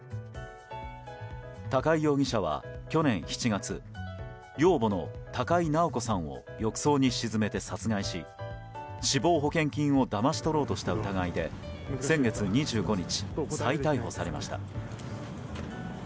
高井容疑者は、去年７月養母の高井直子さんを浴槽に沈めて殺害し死亡保険金をだまし取ろうとした疑いで先月２５日、再逮捕されました。